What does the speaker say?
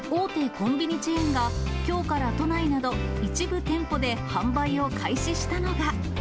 コンビニチェーンがきょうから都内など一部店舗で販売を開始